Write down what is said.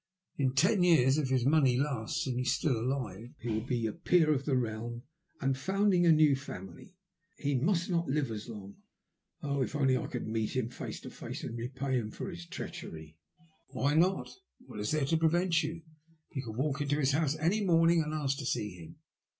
In ten years, if his money lasts and he is still alive, he will be a peer of the realm and founding a new family." ''He must not live as long. Oh, if I could only meet him face to face and repay him for his treachery !"" And why not ? What is there to prevent you ? Tou can walk to his house any morning and ask to see him.